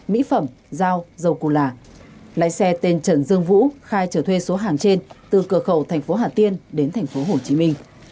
mỹ phẩm dao dầu cô lạc lái xe tên trần dương vũ khai trở thuê số hàng trên từ cửa khẩu thành phố hà tiên đến thành phố hồ chí minh